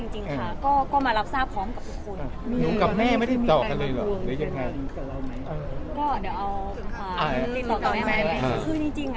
จริงค่ะก็มารับทราบพร้อมกับทุกคน